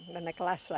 naik kelas lah